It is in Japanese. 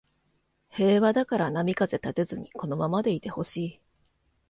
平和だから波風立てずにこのままでいてほしい